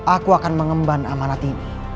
aku akan mengemban amanat ini